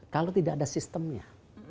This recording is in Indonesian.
kalau tidak ada sistemnya